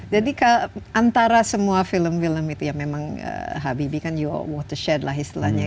jadi antara semua film film itu ya memang habibie kan your watershed lah istilahnya